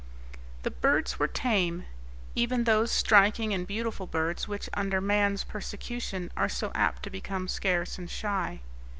The birds were tame, even those striking and beautiful birds which under man's persecution are so apt to become scarce and shy.